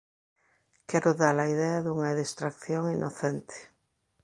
Quero da-la idea dunha distracción inocente.